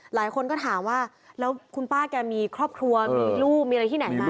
หลายคนก็ถามว่าแล้วคุณป้าแกมีครอบครัวมีลูกมีอะไรที่ไหนไหม